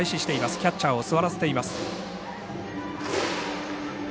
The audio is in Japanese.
キャッチャーを座らせています。